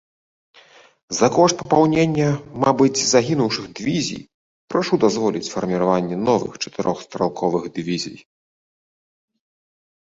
За кошт папаўнення, мабыць, загінуўшых дывізій, прашу дазволіць фарміраванне новых чатырох стралковых дывізій.